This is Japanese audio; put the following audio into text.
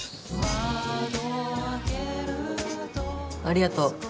ありがとう。